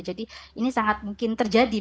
jadi ini sangat mungkin terjadi begitu